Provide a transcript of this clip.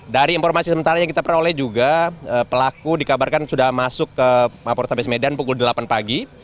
dari informasi sementara yang kita peroleh juga pelaku dikabarkan sudah masuk ke mapol restabes medan pukul delapan pagi